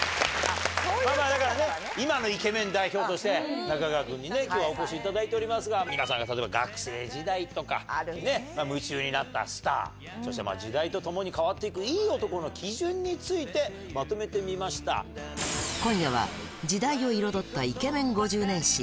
だから、今のイケメン代表として、中川君にきょうはお越しいただいておりますが、皆さんが例えば、学生時代とか、夢中になったスター、そして時代とともに変わっていく、いい男の基準について、まとめて今夜は、時代を彩ったイケメン５０年史。